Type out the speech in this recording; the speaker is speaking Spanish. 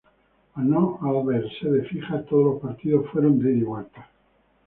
Al no haber sede fija, todos los partidos fueron de ida y vuelta.